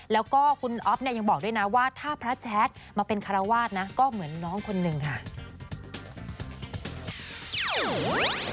แล้วก็คุณอ๊อฟเนี่ยยังบอกด้วยนะว่าถ้าพระแจ๊ดมาเป็นคารวาสนะก็เหมือนน้องคนหนึ่งค่ะ